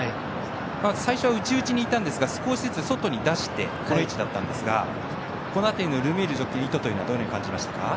最初、内、内にいたんですが外に出してこの位置だったんですがルメールジョッキーの意図というのは、どのように感じましたか？